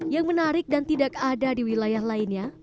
yang menarik dan tidak ada di wilayah lainnya